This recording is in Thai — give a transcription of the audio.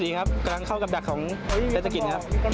มอเตอร์ไซค์กำลังเข้ากับดักของเทศกิตนะครับ